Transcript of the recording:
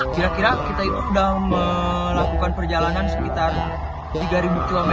kira kira kita itu sudah melakukan perjalanan sekitar tiga km